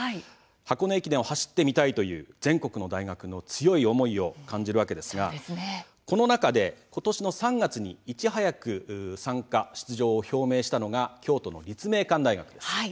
箱根駅伝を走ってみたいという全国の大学の強い思いを感じるわけですが、この中で今年の３月にいち早く参加出場を表明したのが京都の立命館大学です。